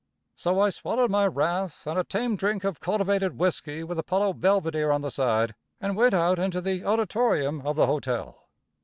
So I swallowed my wrath and a tame drink of cultivated whiskey with Apollo Belvidere on the side, and went out into the auditorium of the hotel.